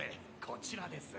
こちらです。